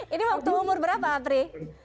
ini waktu umur berapa apri